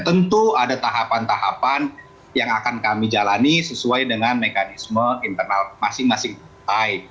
tentu ada tahapan tahapan yang akan kami jalani sesuai dengan mekanisme internal masing masing partai